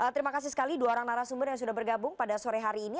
terima kasih sekali dua orang narasumber yang sudah bergabung pada sore hari ini